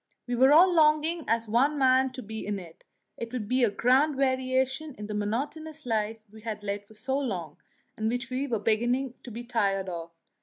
We were all longing as one man to be in it; it would be a grand variation in the monotonous life we had led for so long, and which we were beginning to be a little tired of.